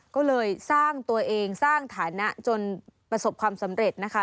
ก็เลยสร้างตัวเองสร้างฐานะจนประสบความสำเร็จนะคะ